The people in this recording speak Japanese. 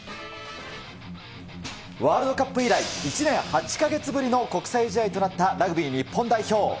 ワールドカップ以来、１年８か月ぶりの国際試合となったラグビー日本代表。